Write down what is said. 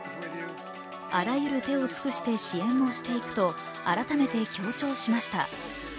あらゆる手を尽くして支援をしていくと改めて強調しました。